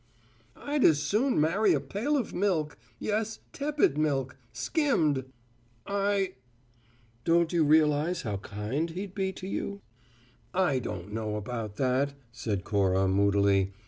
"I'd as soon marry a pail of milk yes, tepid milk, skimmed! I " "Don't you realize how kind he'd be to you?" "I don't know about that," said Cora moodily.